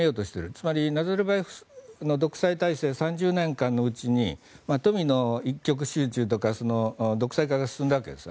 つまり、ナザルバエフの独裁体制３０年間のうちに富の一極集中とか独裁が進んだわけです。